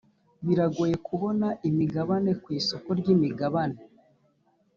biragoye kubona imigabane ku isoko ry’imigabane